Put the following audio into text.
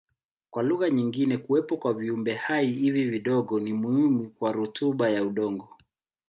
Kwa lugha nyingine kuwepo kwa viumbehai hivi vidogo ni muhimu kwa rutuba ya udongo.